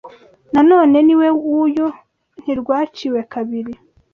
Na none ni we w’uyu Ntirwaciwe kabiri